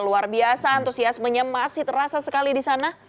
luar biasa antusiasmenya masih terasa sekali di sana